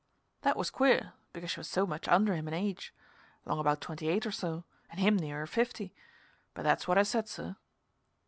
That was queer, because she was so much under him in age 'long about twenty eight or so, and him nearer fifty. But that's what I said, sir.